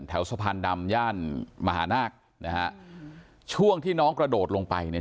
แถวสะพานดำย่านมหานาคนะฮะช่วงที่น้องกระโดดลงไปเนี่ย